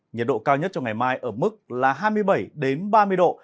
nhiệt độ cao nhất trong ngày mai ở mức là hai mươi bảy ba mươi độ